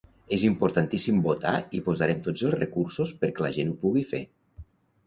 És importantíssim votar i posarem tots els recursos perquè la gent ho pugui fer.